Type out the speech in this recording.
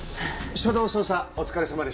初動捜査お疲れさまでした。